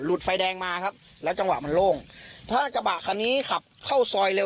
ไฟแดงมาครับแล้วจังหวะมันโล่งถ้ากระบะคันนี้ขับเข้าซอยเร็ว